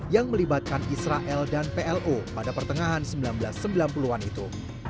yang melibatkan israel dan plo pada pertengahan seribu sembilan ratus sembilan puluh an itu